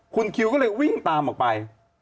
คุณคิวก็เลยวิ่งตามออกไป